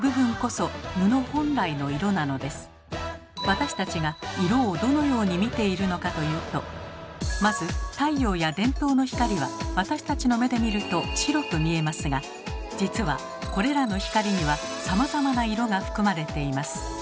私たちが色をどのように見ているのかというとまず太陽や電灯の光は私たちの目で見ると白く見えますが実はこれらの光にはさまざまな色が含まれています。